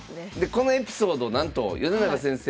このエピソードなんと米長先生